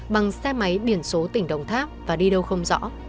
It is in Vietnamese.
bằng xe máy biển số tỉnh đồng tháp và đi đâu không rõ